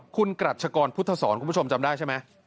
คุณกรัชกรพุทธศรคุณผู้ชมจำได้ใช่ไหม